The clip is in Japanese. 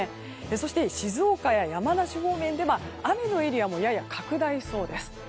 そして静岡や山梨方面で雨のエリアもやや拡大しそうです。